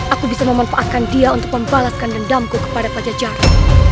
aku bisa memanfaatkan dia untuk membalaskan dendamku kepada pajajaran